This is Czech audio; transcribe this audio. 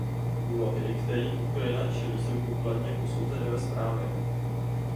Úlohy, kterým Ukrajina čelí, jsou důkladně posouzeny ve zprávě.